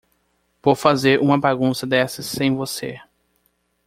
Vou fazer uma bagunça dessas sem você.